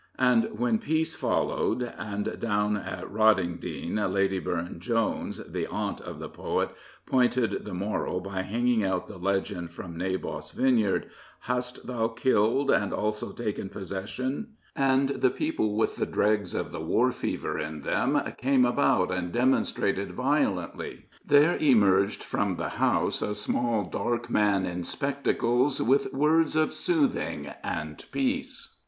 And when peace followed, and down at Rottingdean Lady Burne Jones, the aunt of the poet, pointed the mor^ by hanging out the legend from Naboth's vineyard, " Hast thou killed, and also taken possession," and the people, with the dregs of the war fever in them, came about and demon strated violently, there emerged from the house a small dark man in spectacles with words of soothing and peace.